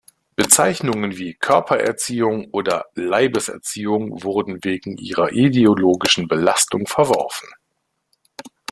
Bezeichnungen wie „Körpererziehung“ oder „Leibeserziehung“ wurden wegen ihrer ideologischen Belastung verworfen.